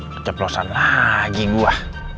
keceplosan lagi gue